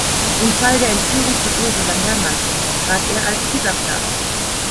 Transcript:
Im Fall der Entführung von Ursula Herrmann trat er als Gutachter auf.